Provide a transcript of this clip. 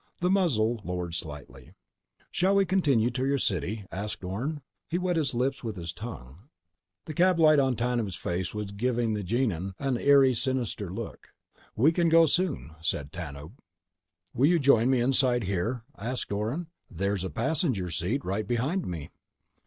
The muzzle lowered slightly. "Shall we continue on to your city?" asked Orne. He wet his lips with his tongue. The cab light on Tanub's face was giving the Gienahn an eerie sinister look. "We can go soon," said Tanub. "Will you join me inside here?" asked Orne. "There's a passenger seat right behind me."